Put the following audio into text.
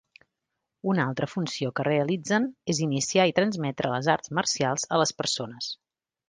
Una altra funció que realitzen és iniciar i transmetre les arts marcials a les persones.